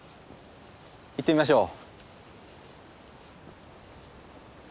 行ってみましょう。